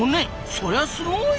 そりゃすごい！